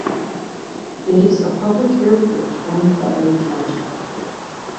It is a public airport owned by Lake County.